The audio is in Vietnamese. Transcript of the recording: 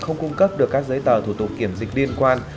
không cung cấp được các giấy tờ thủ tục kiểm dịch liên quan